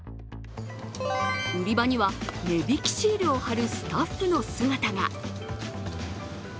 売り場には値引きシールを貼るスタッフの姿が。